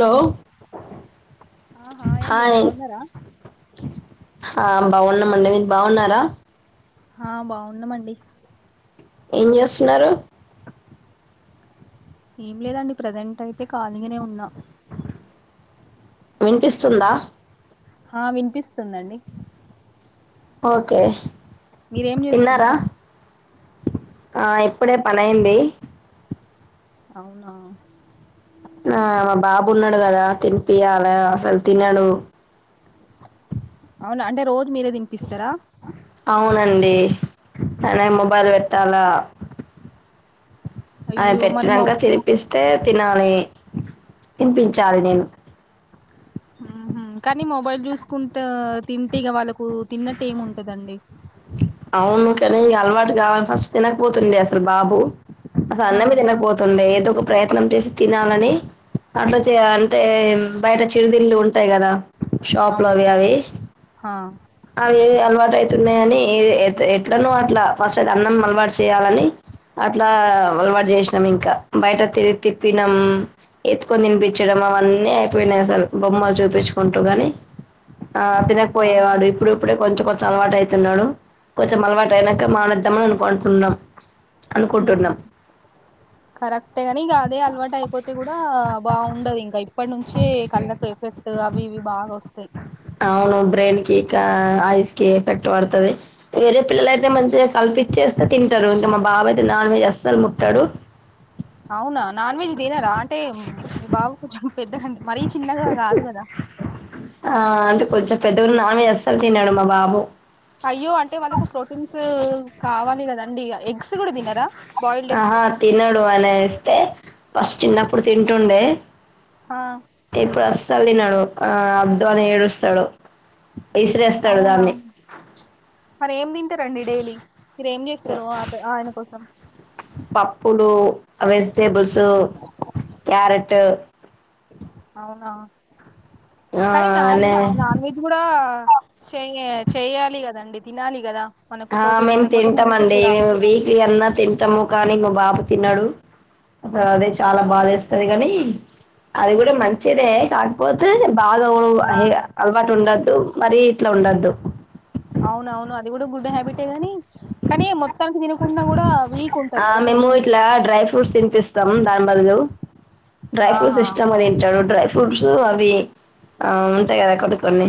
Hello ఆ hi అండి బావున్నారా? హా బావున్నామండి మీరు బావున్నారా? హా బావున్నామండి. ఏం చేస్తున్నారు? ఏం లేదండి ప్రజెంట్ అయితే ఖాళీగానే ఉన్నా. వినిపిస్తుందా? ఆ వినిపిస్తుందండి. ఓకే మీరేం తిన్నారా? చేస్తున్నారు ఆ ఇప్పుడే పని అయింది. అవునా? ఆ మా బాబు ఉన్నడు గదా తినిపియ్యాల అసలు తినడు. అవునా అంటే రోజు మీరే తినిపిస్తారా? అవునండి తనే మొబైల్ పెట్టాలా ఆయన అయ్యో మరి మొ పెట్టినాంక తినిపిస్ తే తినాలి తినిపించాలి నేను ఊహుమ్ కానీ మొబైల్ చూసుకుంటా తింటే ఇగ వాళ్ళకు తిన్నట్టు ఏం ఉంటదండి? అవును కానీ ఇగ అలవాటు కావాలి ఫస్ట్ తినకపోతుండే అసలు బాబు అసలు ఆ అన్నమే తినకపోతుండే ఏదొక ప్రయత్నం చేసి తినాలని అట్లా చే అంటే బయట చిరుతిల్లు ఉంటాయి గదా షాప్ అవును లోవి అవి ఆ అవి అలవాటు అయితున్నాయని ఎట్లనో అట్లా ఫస్ట్ అయితే అన్నం అలవాటు చేయాలని అట్లా అలవాటు చేసినాం ఇంకా బయట తిరిగి తిప్పినాం. ఎత్తుకొని తినిపిచ్చడం అవన్నీ అయిపోయినాయి అసలు బొమ్మలు చూపిచ్చుకుంటూ గాని ఆ ఆహా తినకపోయేవాడు ఇప్పుడు ఇప్పుడే కొంచెం కొంచెం అలవాటు అయితున్నాడు కొంచెం అలవాటు అయినాక మానేద్దామని అనుకుంటున్నాం ఉమ్ అనుకుంటున్నాం కరెక్టే గాని ఇగా అదే అలవాటు అయిపోతే గూడా బాగుండదు ఇంగా ఇప్పటి నుంచే కళ్ళకు ఎఫక్ట్ అవి ఇవి బాగా వస్తయి అవును బ్రెయిన్ కి ఇకా ఐస్ కి ఎఫెక్ట్ పడతది వేరే పిల్లల అయితే మంచిగా కల్పించేస్తే తింటరు ఇంగా మా బాబు అయితే నాన్ వెజ్ అస్సలు ముట్టడు అవునా నాన్ వెజ్ తినరా అంటే మీ బాబు కొంచెం పెద్ద అండి మరి హ ఆ అంటే కొంచెం పెద్దగనే నాన్ వెజ్ అస్సలు తినడు మా బాబు అయ్యో అంటే వాళ్ళకు ప్రోటీన్స్ కావాలి గదండి ఎగ్స్ గూడా తినరా బాయిల్డ్ ఎగ్స్ ఆహా తినడు అని ఇస్తే ఫస్ట్ చిన్నప్పుడు తింటుండే ఆ ఇప్పుడు అసలు తినడు ఆ వద్దు అని ఏడుస్తడు అవునా మరి ఏం తింటారండి డైలీ మీరేం ఆ చేస్తరు అత ఆయన కోసం పప్పులు వెజిటేబుల్స్ క్యారెట్ అవునా ఆ కానీ నా నే నాన్ వెెజ్ గూడా చేయ చేయాలి గదండి తినాలి గదా ఆ మేము తింటమండి మేము వీక్లీ అన్న తింటము కానీ మా బాబు తినడు అసలు అదే చాలా బాద ఎస్తది కాని అది గూడా మంచిదే కాకపోతే బాగా ఆ హైగా అలవాటు ఉండద్దు మరీ ఇట్లా ఉండదు అవును అవును అది గూడా గుడ్ హ్యాబిటే గాని కానీ మొత్తానికి తినకున్నా గూడా వీక్ ఆ ఉంటరు గదా మేము కొంచెం ఇట్లా డ్రై ఫ్రూట్స్ తిపిస్తాం దాని బదులు డ్రై ఫ్రూట్స్ ఆహా ఇష్టంగా తింటడు డ్రై ఫ్రూడ్స్ అవి అ ఉంటాయి గదా కొన్ని కొన్ని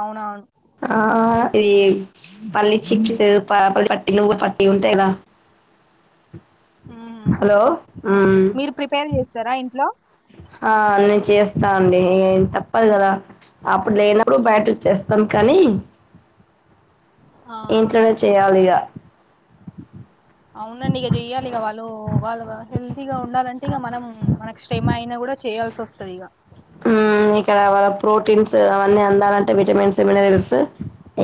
అవునా ఆ ఇది పల్లి చిక్కిస్ పల్ పట్టి నువ్వుల పట్టి ఉంటాయి గదా ఉహు హలో ఉమ్ మీరు ప్రిపేర్ చేస్తారా ఇంట్లో ఆ నేను చేస్తా అండి తప్పదు గదా అప్పుడు లేనప్పుడు బయటనుంచి తేస్తాం కానీ ఆ ఇంట్లోనే చేయాలి ఇగా అవునండి ఇగా చెయ్యాలి ఇగా వాళ్ళు వాళ్ళు హెల్తీగా ఉండాలంటే ఇగా మనం మనకు శ్రమ అయినా గూడా చేయాల్సి వస్తది ఇగా మ్ ఇక్కడ వా ప్రోటీన్స్ అవన్నీ అందాలంటే విటమిన్స్ మినరల్స్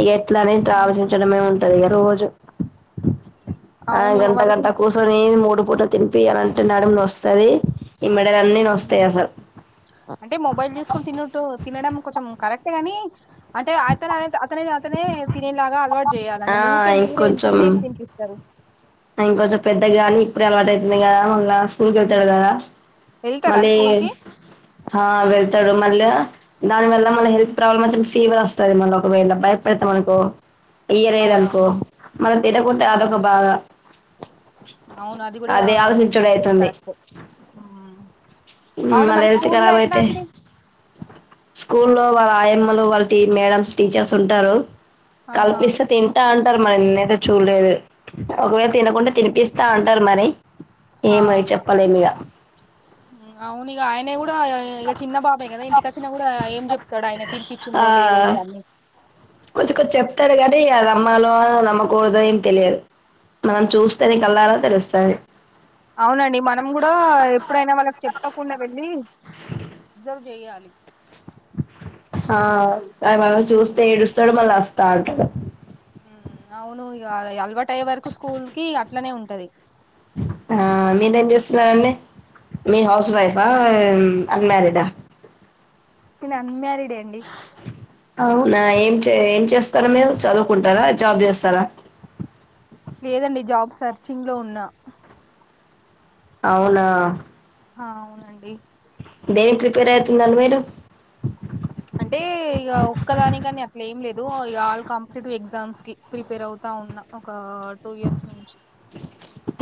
ఇగా ఎట్లానే ఆలోసించడమే ఉంటది ఇగా రోజు ఆ అవును ఇగ గంట వాళ్ళకి గంట కూర్చొని మూడు పూటలు తినిపి అలాంటే నడుమన నోస్తది ఈ మెడలు అన్నీ నోస్తాయా మ్మ్. అసల్ అంటే మొబైల్ చూసుకుని తిన్నట్టు తినడం కొంచెం కరెక్ట్ గాని అంటే అత అతనే అతనే తినేలాగా అలవా ఆ చేయాలండి ఊకే మీరే ఎంత సేపు తినిపిస్తారు ఇంక కొంచెం పెద్దగానీ ఇప్పుడు అలవాటు అవుతుంది గదా మళ్ళ స్కూల్కి వెళ్తాడు గదా వెళ్తారా మళ్ళి స్కూల్ కి హా వెళ్తాడు మళ్ళ దాని వల్ల మన హెల్త్ ప్రాబ్లమ్ వచ్చి ఫీవర్ వస్తది మన ఒకవేళ భయపడతే మనకు ఇయ్యలేదనుకో అవునవును మళ్ళ తినక పోతే ఆ అదొక బాద అవును అది గూడా మీరు ఆలోచించుడు చెప్పింది కరెక్టే ఉమ్ అవును మల్ల మరి హెల్త్ స్కూల్లో కరాబ్ ఎట్లా అయితే అండి స్కూల్లో వాళ్ళ ఆయమ్మలు వాళ్ళ టి మేడమ్స్ టీచర్స్ ఉంటరు ఆహా కల్పిస్తే తింటా అంటరు మరి నేను చూడలేదు ఒకవేళ తినకుంటె తినిపిస్తా అంటరు మరి ఏమో చెప్పలేం ఇగ అవునిగా ఆయనే గూడా య్ ఇగ చిన్న బాబే కదా ఇంటికచ్చినా గూడా ఏం చెప్తడాయన తినిపించిండ్రో లేదో ఇగ అన్నీ కొంచ్ కొన్ చెప్తడు గనీ ఇగ నమ్మాలో నమ్మకూడదొ ఏం తెలియదు మనం చూస్ స్తేనే ఉమ్. కల్లారా తెలుస్తది అవునండి మనం గూడ ఎప్పుడైనా వాళ్ళక్ చెప్పకుండ వెళ్ళి అబ్జర్వ్ చేయాలి హా అ మళ్ళ చూస్తే ఏడుస్తడు మళ్ళ అస్తా అంటడు ఉమ్ అవును ఇగాడ అలవాటయ్యే వరకు స్కూల్ కి ఇగ ట్లనే ఉంటది ఆ మీరేం జేస్తున్నరండి మీర్ హౌస్ వైఫా అన్ మ్యారీడ్ ఆ నెన్ అన్ మ్యారిడే అండి అవునా ఏం చే ఏం చేస్తరు మీరు చదువుకుంటరా జాబ్ చేస్తరా లేదండి జాబ్ సర్చింగ్ లో ఉన్నా అవునా హా అవునండి దేని ప్రిపేర్ అయితున్నరు మీరు అంటే ఇగ ఒక్కదానికని అట్ల ఏం లేదు ఇగాల్ కాంపిటేటివ్ ఎగ్జామ్స్ కి ప్రిపేర్ అవుతా ఉన్న ఒకా టూ ఇయర్స్ నుంచి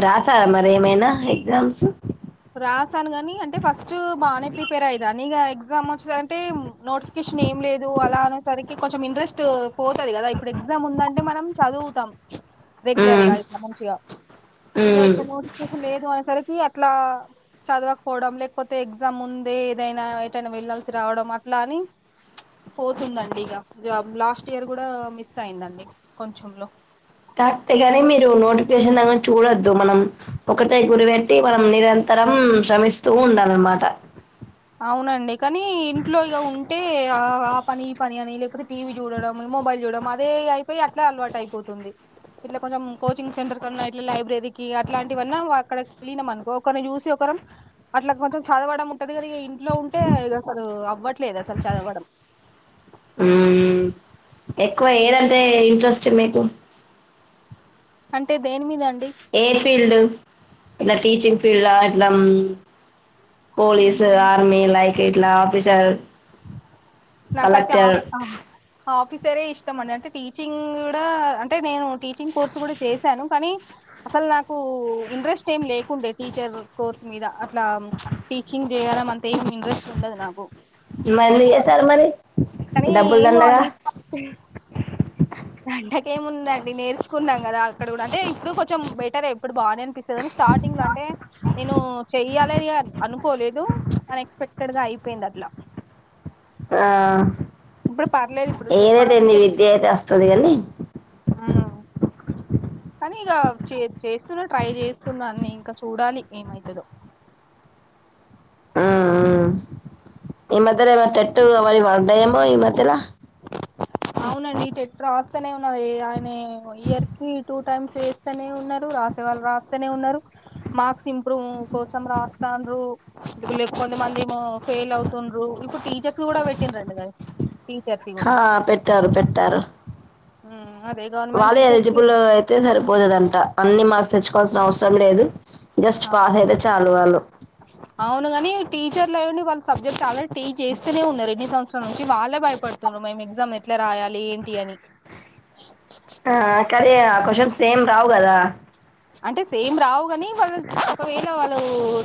రాసారా మరి ఏమైనా ఎగ్జామ్స్ రాసాను గనీ అంటే ఫస్ట్ బానే ప్రిపేర్ అయ్యేదాన్ని ఇగ ఎగ్జామ్ వచ్చిందంటే నోట్స్ కిషన్ ఏం లేదు అలా అనేసి సరికి కొంచెం ఇంట్రెస్ట్ పోతుది గదా ఇప్పుడు ఎగ్జామ్ ఉందంటే మనం చదువుతాం రెగ్యులర్ గా మ్మ్ ఇట్ల మంచిగా ఇగ మ్మ్ ఇట్ల నోటిఫికేషన్ లేదు అనేసరికి అట్లా చదవకపోవడం లేకపోతే ఎగ్జామ్ ముందే ఏదైనా ఏటైనా వెళ్ళాల్సి రావడం అట్లా అని పోతుందండి ఇగ జాబ్ లాస్ట్ ఇయర్ గూడా మిస్ అయిందండి కొంచంలో కరెక్టే గని మీరు నోటిఫికేషన్ అవన్ చూడొద్దు మనం ఒకటే గురి బేట్టి మనం నిరంతరం శ్రమిస్తూ ఉండాలన్నమాట అవునండి కనీ ఇంట్లో ఇగ ఉంటే ఆ ఆ పని ఈ పని అని లేకపోతే టీ వీ జూడడం మొబైల్ జూడం అదే ఇగ అయిపోయి అట్లే అలవాటు అయిపోతుంది ఇట్ల కొంచెం కోచింగ్ సెంటర్ కన్నా ఇట్ల లైబ్రరీ కీ అట్లాంటివన్నా అక్కడకెళ్ళినం అనుకో ఒకరిని జూసి ఒకరం అట్ల కొంచెం చదవడం ఉంటది గద ఇగ ఇంట్లో ఉంటే ఇగ అసలూ అవ్వట్లేదు అసలు చదవడం ఎక్కువ ఏదంటే ఇంట్రెస్ట్ మీకు అంటే దేని మీద అండి ఏ ఫీల్డ్ ఇట్ల టీచింగ్ ఫీల్డ్ ఆ ఇట్ల ఉమ్ పోలీస్, అవును ఆర్మీ లైక్ ఇట్ల ఆఫీసర్ నాకైతే కలెక్టర్ ఆఫ్ ఆ ఆఫీసరే ఇష్టం అండి అంటే టీచింగ్ గూడా అంటే నేను టీచింగ్ కోర్స్ గూడ చేశాను కనీ అసల్ నాకూ ఇంట్రెస్ట్ ఏం లేకుండే టీచర్ కోర్స్ మీద అట్లా టీచింగ్ చేయడం అంత ఏం ఇంట్రెస్ట్ ఉండదు నాకు మరి ఎక్కువ చేసారు మరి కానీ డబ్బుల్ ఏమో దండగా అండి [inaudible] దండగేముందండి నేర్చుకున్నాం గదా అక్కడ గూడా అంటే ఇప్పుడు కొంచెం బెటరే ఇప్పుడు బానే అనిపిస్తదని స్టార్టింగ్లో అంటే నేనూ చెయ్యాలి అని అనుకోలేదు అన్ఎక్స్పెక్టెడ్ గా అయిపోయింది అట్లా ఆ ఇప్పుడు పర్లేదు ఇప్పుడు ఏదైతే నీ విద్య అయితే అస్తది కనీ ఆ కానీ ఇగ చే చేస్తున్నా ట్రై చేస్తున్నా అన్నీ ఇంకా చూడాలి ఏమైతదో ఆ ఆ ఈ మధ్య టెట్టు అవన్నీ పడతాయేమో ఈ మధ్యలా అవునండి టెట్ రాస్తనే ఉన్న ఆయన ఇయర్కి టూ టైమ్స్ వేస్తనే ఉన్నారు రాసే వాళ్ళు రాస్తనే ఉన్నరు మార్క్స్ ఇంప్రూవ్ కోసం రాస్తడ్రు కొంతమంది ఏమో ఫెయిల్ అవుతుండ్రు ఇప్పుడు టీచర్స్ కూడా పెట్టిందంట కదా ఆ పెట్టారు పెట్టారు ఉ అదీ ఏ గవర్నమెంట్ టీచర్స్ కీ అంతే సరిపోతదంట అన్ని మార్క్స్ తెచ్చుకోవాల్సిన అవసరం లేదు జస్ట్ పాస్ అయితే చాలు వాళ్ళు అవునుగనీ టీచర్లయుండి వాళ్లు సబ్జెక్ట్ ఆల్రెడీ టీచ్చేస్తనే ఉన్నారు ఎన్ని సంవత్సరాల నుంచి వాళ్ళే భయపడు మేమ్ ఎగ్జామ్ ఎట్లా రాయాలి ఏంటి అని ఆ కనీ ఆ క్యూస్షన్స్ సేమ్ రావు కదా అంటే సేమ్ రావు గనీ వాళ్ళు ఒకవేళ వాళ్లు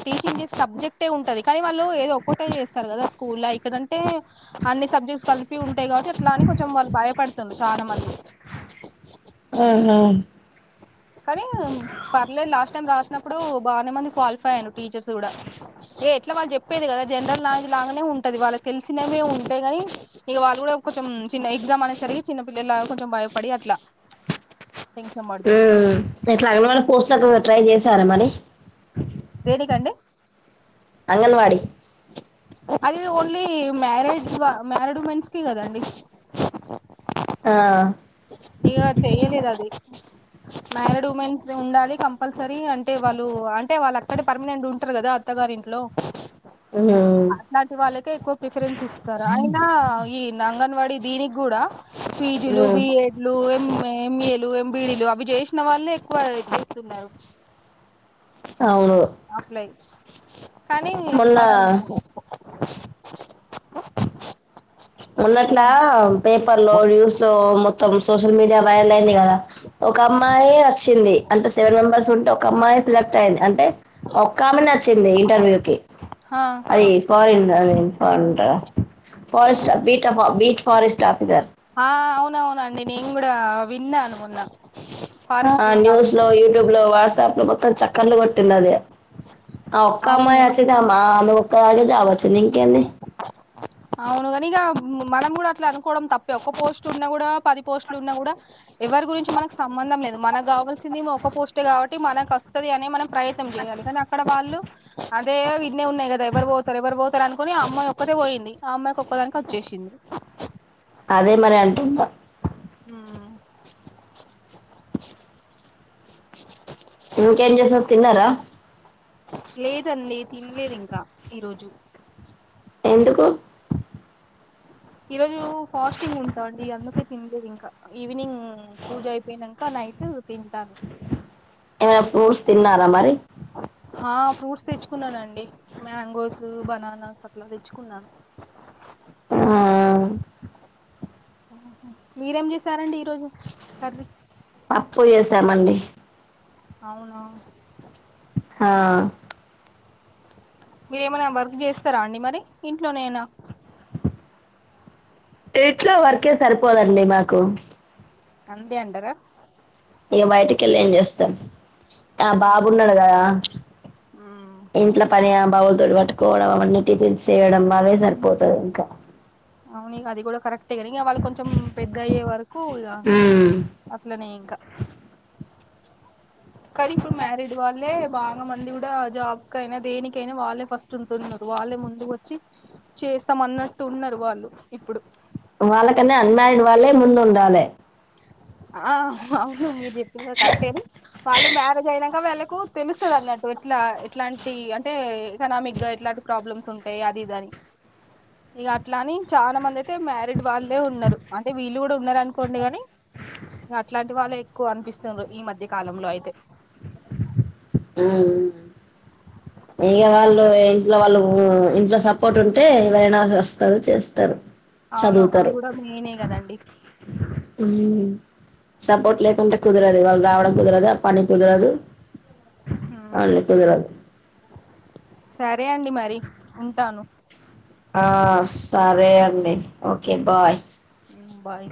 టీచింగ్ చేసే సబ్జెక్టే ఉంటది కానీ వాళ్ళు ఏదో ఒక్కటే చేస్తారు కదా స్కూల్ ఇక్కడ అంటే అన్ని సబ్జెక్ట్స్ కలిపి ఉంటాయి కావట్టి అట్లా అని కొంచెం వాళ్ళు భయపడుతు ఉంటారు చానా మంది ఆహా కానీ పర్లేదు లాస్ట్ టైమ్ రాసినప్పుడు బానే మంది క్వాలిఫై ఐన్నారు టీచర్స్ కూడా ఏ ఎట్లా వాళ్ళు చెప్పేది కదా జనరల్ నాలెడ్జ్ లాగానే ఉంటది వాళ్ళకి తెలిసినవే ఉంటాయిగాని ఇగ వాళ్ళు కూడా కొంచెం చిన్న ఎగ్జామ్ అనేసరికి చిన్న పిల్లల్లాగ కొంచెం భయపడి అట్లా ఆ టెన్షన్ పడుతోంది ఎట్లా అంగన్వాడీ పోస్ట్లకు ట్రై చేసారా మరి దేనికండి అంగన్వాడి అది ఓన్లీ మ్యారిడ్ మ్యారిడ్ ఉమెన్స్ కి కదండి ఆ ఇగ చేయలేదది మ్యారిడ్ ఉమెన్స్ ఉండాలి కంపల్సరీ అంటే వాళ్ళు ఆం అంటే వాళ్ళు అక్కడే పర్మినెంట్ ఉంటరు గదా అత్తగారింట్లో ఆ ఇట్లాంటి వాళ్ళకే ఎక్కువ ప్రిఫరెన్స్ ఇస్తారు అయినా ఈ అంగన్వాడీ దీనిగుడా ఫీజులూ మ్మ్ ఎంఎ ఎంఏలు ఎంబిడీలు అవి చేసిన వాళ్ళే ఎక్కువ చేస్తున్నారు అవును అప్లై కానీ మనం మొన్న మొన్నట్లా ఏంటండి పేపర్ లో న్యూస్ లో మొత్తం సోషల్ మీడియా వైరల్ అయింది కదా ఒక అమ్మాయి అచ్చింది అంటే సెవెన్ మెంబెర్స్ ఉంటే ఒక్క అమ్మాయి సెలెక్ట్ అయింది అంటే ఒక్క ఆమెనే అచ్చింది ఇంటర్వ్యూకి ఆ అది ఫారన్న్ forest beat beat forest officer ఆ అవున అవునండి నేను కూడా విన్నాను మొన్న ఫారెస్ట్ ఆ బీట్ న్యూస్ ఆఫీస్ లో యూట్యూబ్ లో వాట్సాప్ లో మొత్తం చక్కర్లు పట్టింది అది ఆ ఒక్క అవును అమ్మాయి వచ్చిద అమ్మా అమె ఒక్క అగే జావచ్చు నీ కేంది అవునుగాని ఇక మనం కూడా అట్లా అనుకోవడం తప్పే ఒక్క పోస్ట్ ఉన్నా కూడా పది పోస్ట్లు ఉన్నా కూడా ఎవరి గురించి మనకు సంబంధం లేదు మనకు కావాల్సిం సింది ఒక పోస్టే కాబట్టి మనకు వస్తది అని మనం ప్రయత్నం చేయాలి కానీ అక్కడ వాళ్ళు అదే ఇన్నే ఉన్నాయి కదా ఎవరు పోతారు ఎవరు పోతారు అనుకుని ఆ అమ్మాయి ఒక్కతే పోయింది ఆ అమ్మాయికి ఒక్కదానికి వచ్చేసింది అదే మరి అంటుంన్నా మ్ ఇంకేమ్ చేసావు తిన్నారా లేద అండి తిన్ లేదు ఇంకా ఈరోజు ఎందుకు ఈ రోజు ఫాస్టింగ్ ఉంటా అండి అందుకే తిన్లేదు ఇంకా ఈవినింగ్ పూజ అయిపో అయినాక నైట్ తింటాను ఏవర ఫ్రూట్స్ తిన్నారా అ మరి ఆ ఫ్రూట్స్ తెచ్చుకున్నాను అండి మ్యాంగోస్ బనానాస్ అట్లా తెచ్చుకు ఉన్నాను ఆ హ మీరేం చేసార అండి ఈ రోజు కర్రీ పప్పు చేసామ అండి అవునా హా మీరే ఏమైనా వర్క్ చేస్తారా అండి మరి ఇంట్లోనేనా తేట్లో వర్కే సరిపోదఅండి మాకు అందే అంటార ఇగ బయటకి వెళ్ళి ఏం చేస్తామ్ ఆ బాబు ఉన్నాడు కదా మ్మ్ ఇంట్లో పని బావులతో పట్టుకోవడం అవ అన్నీ టిఫిల్స్ చేయడం అవే సరిపోతది ఇంకా అవును ఇగ అది కూడా కరెక్ట్ అంతే గాని ఇగ వాళ్ళు కొంచెం మ్ పెద్ద అయ్యే వరకు ఇగ అట్లనే ఇంకా [inaudible] కానీ ఇప్పుడు మ్యారీడ్ వాళ్ళే బాగా మంది కూడా జాబ్స్ క అయినా దేనికై అయినా వాళ్ళే ఫస్ట్ చంటున్నారు వాళ్ళే ముందు వచ్చి చేస్తాం అన్న అట్టు ఉన్నారు వాళ్ళు ఇప్పుడు వాళ్ళక అన్నా అన్మాయయిండ్ వాళ్ళే ముందు ఉండాలే ఆ అవును మీరు చెప్పిన కదా కరెక్ట్ అని వాళ్ళు మ్యారేజ్ అయినాక వీళ్ళకు తెలుస్త అది అన్నట్టు ఎట్లా ఎట్లాంటి అంటే ఎకనామిక్ గా ఎట్లా అంటి ప్రాబ్లమ్స్ ఉంటాయి అది ఇది అని ఇక అట్లా అని చాలా మంది అయితే మ్యారిడ్ వాళ్ళే ఉన్నారు అంటే వీళ్ళు కూడా ఉన్నార అనుకోండి గాని [inaudible] ఇగ అట్లా అంటి వాళ్ళే ఎక్కువ అనిపిస్తుండ్రు ఈ మధ్య కాలంలో అయితే ఆ ఇక వాళ్ళు ఏ ఇంట్లో వాళ్ళు ఇంట్లో సపోర్ట్ ఉంటే ఎవరైన వస్తారు చేస్తారు అవును అది కూడా మెయినే కద అండి మ్ సపోర్ట్ లేకుంటే కుదరకదు ఇగ వాళ్ళు రావడం కుదరఅదు అ పని కుదరఅదు ఉమ్ అన్ని కుదరఅవు సరే అండి మరి ఉంటాను ఆ సరే అండి ఓకే బాయ్ మ్ బాయ్